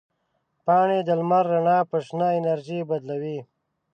پاڼې د لمر رڼا په شنه انرژي بدلوي.